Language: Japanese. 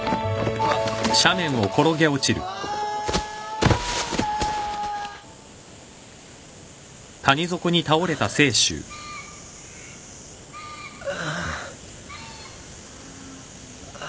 うっああ。